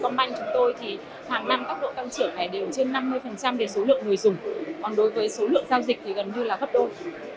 còn đối với số lượng giao dịch thì gần như là gấp đôi